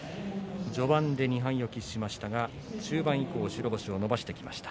序盤に２敗を喫しましたが中盤以降白星を伸ばしていきました。